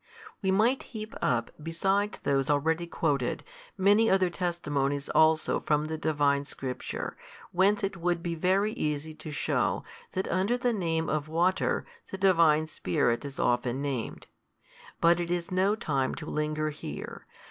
We might heap up, besides those already quoted, many other testimonies also from the Divine Scripture, whence it would be very easy to shew, that under the name of water, the Divine Spirit is often named. But it is no time to linger here.